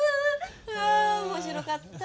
ああ面白かった。